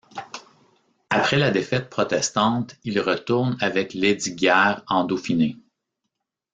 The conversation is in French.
Après la défaite protestante, il retourne avec Lesdiguières en Dauphiné.